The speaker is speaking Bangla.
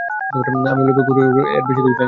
আমিও লোভে পরে খুন করি, এর বেশি কিছু জানি না।